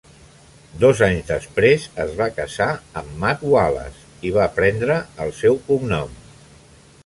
Dos anys després es va casar amb Matt Wallace i va prendre el seu cognom.